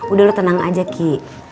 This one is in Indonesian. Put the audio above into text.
udah lu tenang aja ki